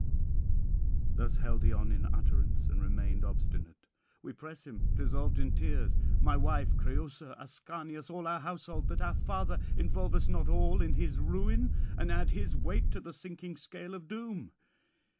'Thus held he on in utterance, and remained obstinate. We press him, dissolved in tears, my wife Creüsa, Ascanius, all our household, that our father involve us not all in his ruin, and add his weight to the sinking scale of doom.